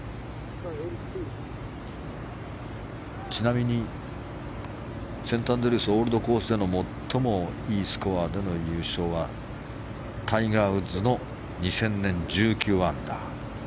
ちなみにセントアンドリュースオールドコースでの最もいいスコアでの優勝はタイガー・ウッズの２０００年、１９アンダー。